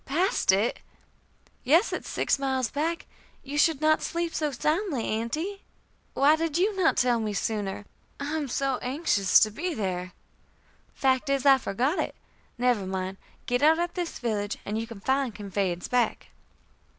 "Passed it!" "Yes. It is six miles back. You should not sleep so soundly, Aunty." "Why did you not tell me sooner? I am so anxious to be there." "Fact is, I forgot it. Never mind. Get out at this village, and you can find conveyance back."